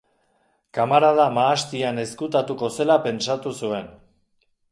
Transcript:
Kamarada mahastian ezkutatuko zela pentsatu zuen.